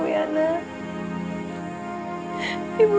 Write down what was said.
bintang di hati ibu